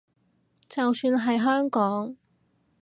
就算係香港